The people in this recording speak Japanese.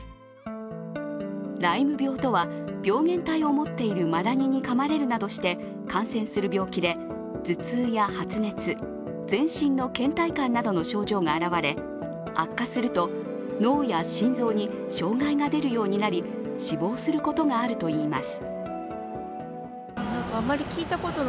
ライム病とは、病原体を持っているマダニにかまれるなどして感染する病気で頭痛や発熱、全身のけん怠感などの症状が現れ、悪化すると脳や心臓に障害が出るようになり死亡することがあるといいます。